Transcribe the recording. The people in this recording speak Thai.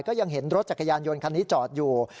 ก็ยังเห็นรถจักรยานยนต์คันนี้จอดอยู่